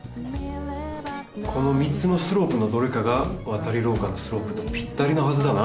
この３つのスロープのどれかがわたりろうかのスロープとぴったりなはずだな。